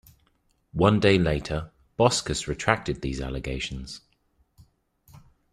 One day later, Boskus retracted these allegations.